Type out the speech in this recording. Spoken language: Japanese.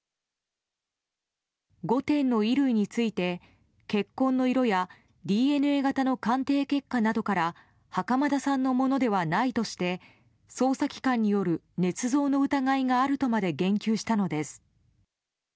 ５点の衣類について血痕の色やＤＮＡ型の鑑定結果などから袴田さんのものではないとして捜査機関による、ねつ造の疑いがあるとまで言及したのです。